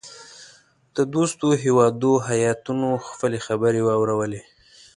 د دوستو هیوادو هیاتونو خپلي خبرې واورلې.